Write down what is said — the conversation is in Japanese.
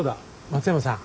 松山さん。